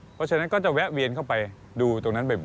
เพราะฉะนั้นก็จะแวะเวียนเข้าไปดูตรงนั้นบ่อย